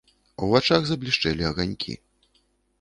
У вачах заблішчэлі аганькі.